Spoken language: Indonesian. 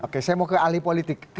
oke saya mau ke ahli politik